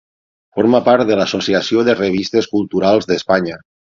Forma part de l'Associació de Revistes Culturals d'Espanya.